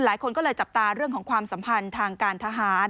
หลายคนก็เลยจับตาเรื่องของความสัมพันธ์ทางการทหาร